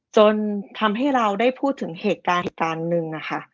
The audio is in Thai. จนทำให้เราได้พูดถึงเหตุการณ์คิดการนึง